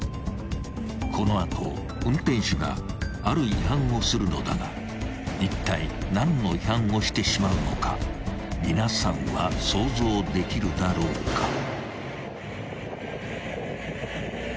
［この後運転手がある違反をするのだがいったい何の違反をしてしまうのか皆さんは想像できるだろうか］